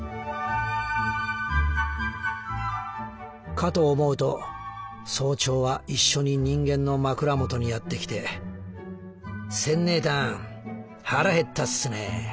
「かと思うと早朝は一緒に人間の枕元にやってきて『センねえたん！腹減ったっスね？